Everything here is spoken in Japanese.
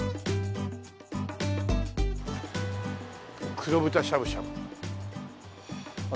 「黒豚しゃぶしゃぶ」ほら。